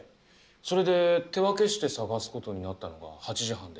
それで手分けして捜す事になったのが８時半で。